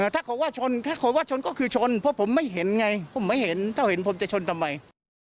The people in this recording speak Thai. ถ้าเขาว่าชนถ้าเขาว่าชนก็คือชนเพราะผมไม่เห็นไงผมไม่เห็นถ้าเห็นผมจะชนทำไม